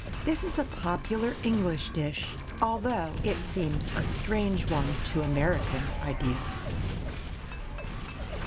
This is a popular English dish, although it seems a strange one to American ideas.